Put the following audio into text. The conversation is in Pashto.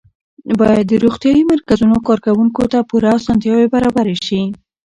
باید د روغتیایي مرکزونو کارکوونکو ته پوره اسانتیاوې برابرې شي.